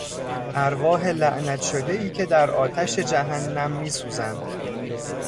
ارواح لعنت شدهای که در آتش جهنم میسوزند